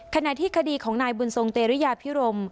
ขณะที่คดีของนายบุญทรงเตรียพิรม